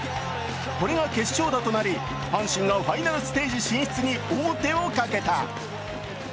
これが決勝打となり阪神のファイナルステージ進出に王手をかけた。